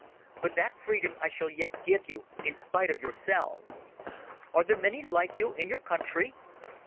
But that freedom I shall yet give you in spite of yourselves. Are there many like you in your country?"